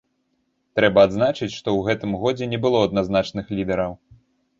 Трэба адзначыць, што ў гэтым годзе не было адназначных лідараў.